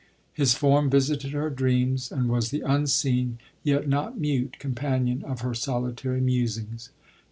His form visited her dreams, and was the unseen, yet not mute, companion of her solitary musings.